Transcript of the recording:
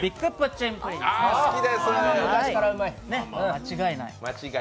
間違いない。